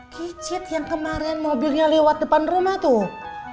kicit yang kemarin mobilnya lewat depan rumah tuh